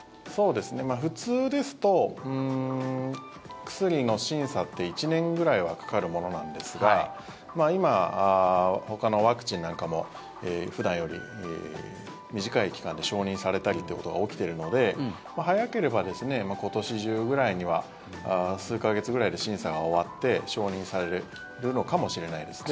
普通ですと、薬の審査って１年ぐらいはかかるものなんですが今、ほかのワクチンなんかも普段より短い期間で承認されたりってことが起きているので早ければ今年中ぐらいには数か月ぐらいで審査が終わって承認されるのかもしれないですね。